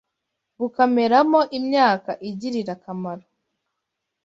bukameramo imyaka igirira akamaro